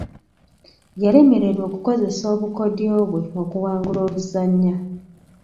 Yalemererwa okukozesa obukodyo bwe okuwangula oluzannya.